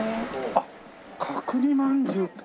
あっ角煮まんじゅう。